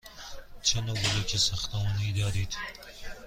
چه نوع بلوک ساختمانی دارید؟